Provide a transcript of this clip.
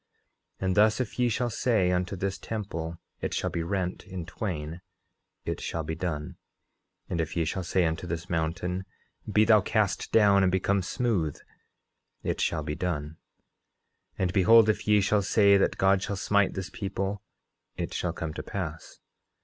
10:8 And thus, if ye shall say unto this temple it shall be rent in twain, it shall be done. 10:9 And if ye shall say unto this mountain, Be thou cast down and become smooth, it shall be done. 10:10 And behold, if ye shall say that God shall smite this people, it shall come to pass.